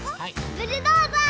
ブルドーザー！